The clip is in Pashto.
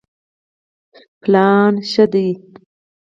پلان ښه دی.